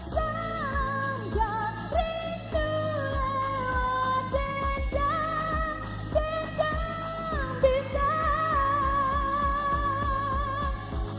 sangat rindu lewat dendam bintang bintang